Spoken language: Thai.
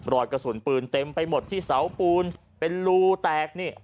รอยกระสุนปืนเต็มไปหมดที่เสาปูนเป็นรูแตกนี่